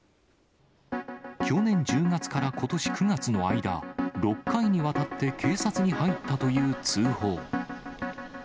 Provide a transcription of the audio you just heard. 去年１０月からことし９月の間、６回にわたって警察に入ったという通報。